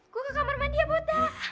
gue ke kamar mandi ya put